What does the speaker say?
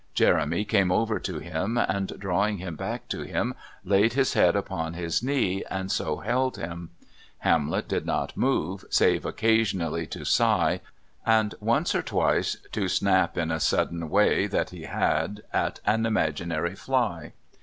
Jeremy came over to him and, drawing him back to him, laid his head upon his knee and so held him. Hamlet did not move, save occasionally to sigh, and, once or twice, to snap in a sudden way that he had at an imaginary fly.